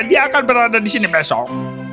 dia akan berada di sini besok